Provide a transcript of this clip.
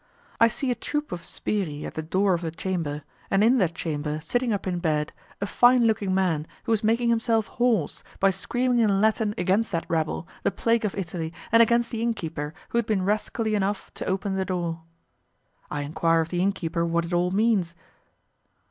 I see a troop of 'sbirri' at the door of a chamber, and in that chamber, sitting up in bed, a fine looking man who was making himself hoarse by screaming in Latin against that rabble, the plague of Italy, and against the inn keeper who had been rascally enough to open the door. I enquire of the inn keeper what it all means.